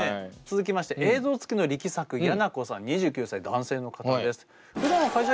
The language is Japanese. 続きまして映像付きの力作やなこさん２９歳男性の方です。